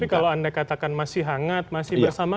tapi kalau anda katakan masih hangat masih bersama